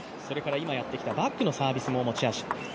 今やってきたバックのサービスも持ち味。